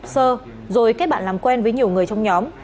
sơ rồi kết bạn làm quen với nhiều người trong nhóm